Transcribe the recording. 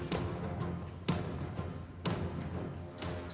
saya sudah berusaha untuk menghasilkan stok minyak goreng